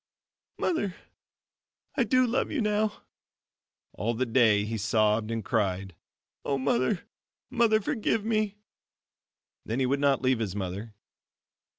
"Mother, I do love you now," all the day he sobbed and cried, "O Mother, Mother, forgive me." Then he would not leave his mother.